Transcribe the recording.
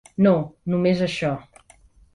No, només això.